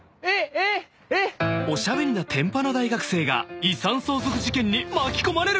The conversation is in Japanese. ［おしゃべりな天パの大学生が遺産相続事件に巻き込まれる！？］